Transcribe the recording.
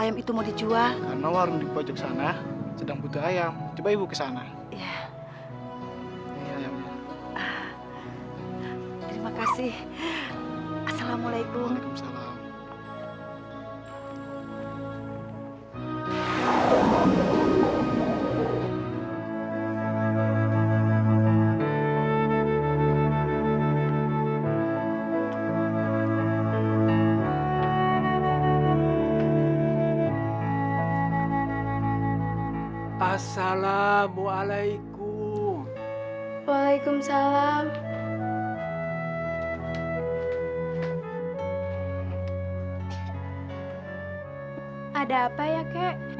maafkan kakek nak